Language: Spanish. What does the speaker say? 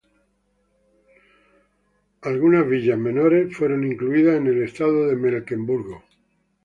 Algunas villas menores fueron incluidas en el Estado de Mecklemburgo.